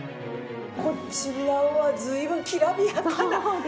こちらは随分きらびやかなええ！